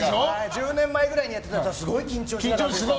１０年前くらいにやってたやつはすごい緊張して。